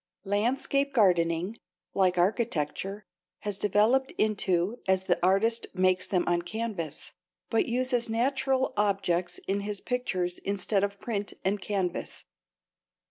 Landscape gardening, like architecture, has developed intoll as the artist makes them on canvas, but uses natural objects in his pictures instead of paint and canvas.